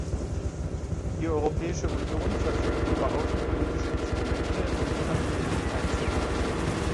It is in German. Die Europäische Union verfügt über außenpolitische Instrumente, um diese Angelegenheit zu lösen.